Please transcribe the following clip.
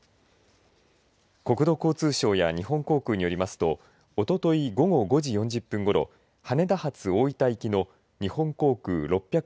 国土交通省や日本航空によりますとおととい午後５時４０分ごろ羽田発大分行きの日本航空６６９